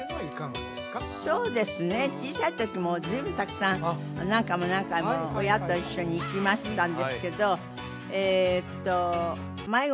そうですね小さいときもう随分たくさん何回も何回も親と一緒に行きましたんですけどえっと迷子！